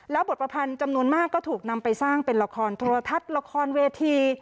บทประพันธ์จำนวนมากก็ถูกนำไปสร้างเป็นละครโทรทัศน์ละครเวที